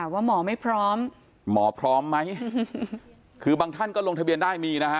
ว่าหมอไม่พร้อมหมอพร้อมไหมคือบางท่านก็ลงทะเบียนได้มีนะฮะ